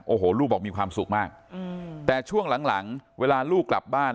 โอ้โหลูกบอกมีความสุขมากแต่ช่วงหลังเวลาลูกกลับบ้าน